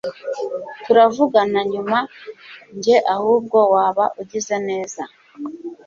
turavugana nyuma! njye ahubwo waba ugize neza